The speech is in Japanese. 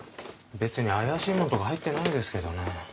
べつにあやしいもんとか入ってないですけどね。